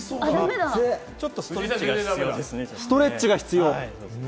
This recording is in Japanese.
ストレッチが必要ですね。